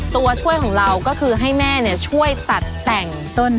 ตัวช่วยของเราก็คือให้แม่ช่วยตัดแต่งต้น